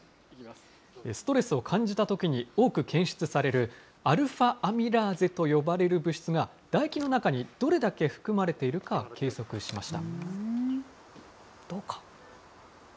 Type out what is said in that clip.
ストレスを感じたときに、多く検出されるアルファ・アミラーゼと呼ばれる物質が、唾液の中にどれだけ含まれているか計測しました。